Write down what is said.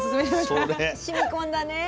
しみこんだね。